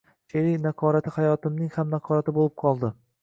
She’riy naqorati hayotimning ham naqorati bo‘lib qoldi.